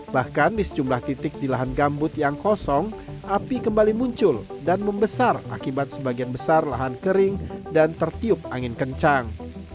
bahkan di sejumlah titik di lahan gambut yang kosong api kembali muncul dan membesar akibat sebagian besar lahan kering dan tertiup angin kencang